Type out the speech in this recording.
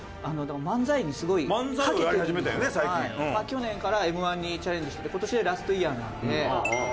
去年からＭ−１にチャレンジしてて今年でラストイヤーなので。